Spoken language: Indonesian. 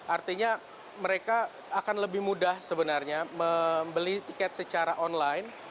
artinya mereka akan lebih mudah sebenarnya membeli tiket secara online